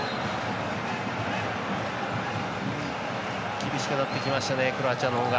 厳しくなってきましたねクロアチアのほうが。